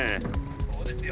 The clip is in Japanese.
そうですよ。